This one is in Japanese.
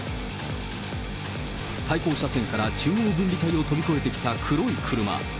対向車線から中央分離帯を飛び越えてきた黒い車。